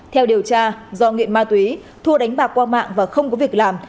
theo điều tra do nghiện ma túy thua đánh bạc qua mạng và không có việc làm